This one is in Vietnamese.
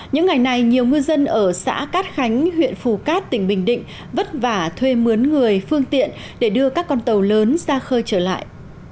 những ngày này nhiều ngư dân ở xã cát khánh huyện phù cát tỉnh bình định vất vả thuê mướn người phương tiện để đưa các con tàu lớn ra khơi trở lại